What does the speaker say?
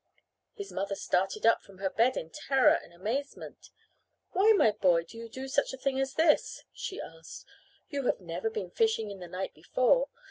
His mother started up from her bed in terror and amazement. "Why, my boy, do you do such a thing as this?" she asked. "You have never been fishing in the night before.